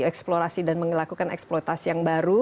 eksplorasi dan melakukan eksploitasi yang baru